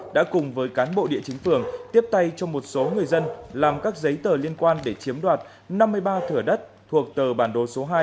đã cùng với cán bộ địa chính phường tiếp tay cho một số người dân làm các giấy tờ liên quan để chiếm đoạt năm mươi ba thửa đất thuộc tờ bản đồ số hai